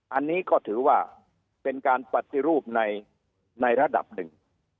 อันนี้ก็ถือว่าเป็นการปฏิรูปในระดับหนึ่ง